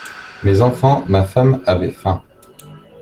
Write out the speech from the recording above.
Mes enfants, ma femme avaient faim!